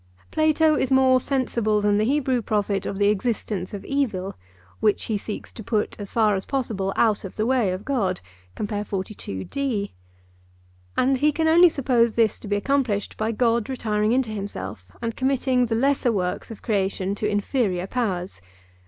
Plato is more sensible than the Hebrew prophet of the existence of evil, which he seeks to put as far as possible out of the way of God. And he can only suppose this to be accomplished by God retiring into himself and committing the lesser works of creation to inferior powers.